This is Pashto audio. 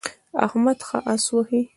احمد ښه اس وهي.